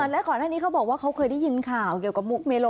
และก่อนหน้านี้เขาบอกว่าเขาเคยได้ยินข่าวเกี่ยวกับมุกเมโล